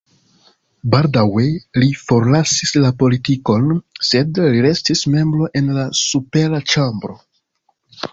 Baldaŭe li forlasis la politikon, sed li restis membro en la supera ĉambro.